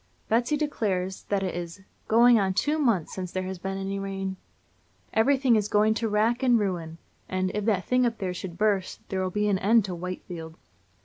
Betsy declares that it is "going on two months since there has been any rain." Everything is "going to wrack and ruin," and "if that thing up there should burst, there'll be an end to Whitefield."